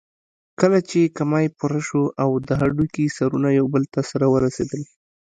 کله چې کمى پوره شو او د هډوکي سرونه يو بل ته سره ورسېدل.